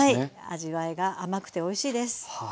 味わいが甘くておいしいです。